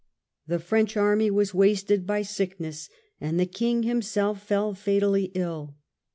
The French army was wasted by sick ness and the King himself fell fatally ill.